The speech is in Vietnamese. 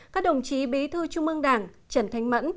các đồng chí bí thư trung ương đảng trần thanh mẫn